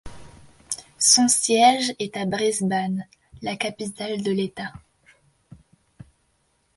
Son siège est à Brisbane, la capitale de l’État.